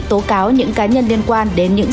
tố cáo những cá nhân liên quan đến những